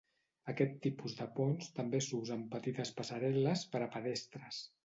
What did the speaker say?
Aquest tipus de ponts també s'usa en petites passarel·les per a pedestres.